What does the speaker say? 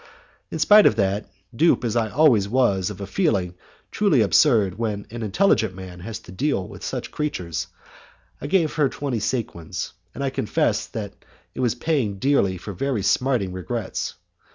In spite of that, dupe as I always was of a feeling truly absurd when an intelligent man has to deal with such creatures, I gave her twenty sequins, and I confess that it was paying dearly for very smarting regrets.